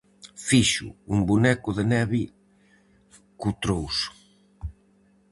Fixo un boneco de neve co trouso.